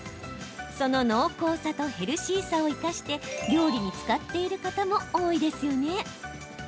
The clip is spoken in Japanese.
その濃厚さとヘルシーさを生かして料理に使っている方も多いですよね。